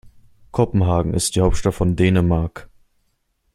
Kopenhagen ist die Hauptstadt von Dänemark.